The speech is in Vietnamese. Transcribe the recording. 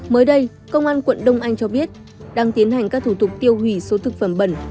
mới đây công an quận đông anh cho biết đang tiến hành các thủ tục tiêu hủy số thực phẩm bẩn